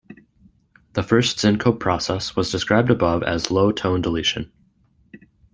The first syncope process was described above as low tone-deletion.